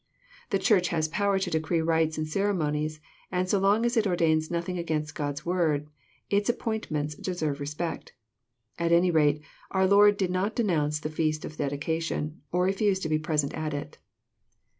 " The Church has power to decree rites and ceremonies," and so long as it ordains nothing against God's Word, its appoint ments deserve respect. At any rate our Lord did not denounce the feast of dedication, or refuse to be present at it.